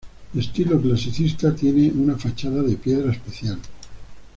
De estilo clasicista, tiene una fachada de piedra especial.